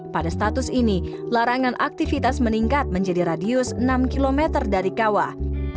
pada status ini larangan aktivitas meningkat menjadi radius enam km dari kawah